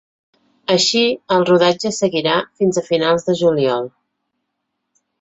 Així, el rodatge seguirà fins a finals de juliol.